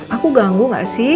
aku ganggu gak sih